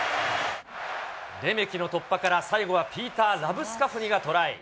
レメキの突破から、最後は、ピーター・ラブスカフニのトライ。